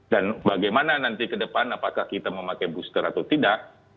dan bagaimana nanti ke depan apakah kita memakai booster atau tidak